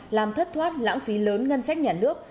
làm thất thoát lãng phí lớn ngân sách nhà nước